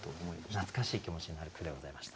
懐かしい気持ちになる句でございました。